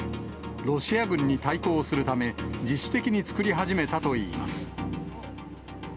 ロシア軍に対抗するため、自主的に作り始めたといいます。